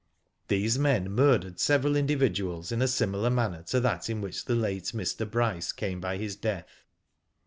These men murdered several individuals in a similar manner to that in which the late Mr. Bryce came by his death.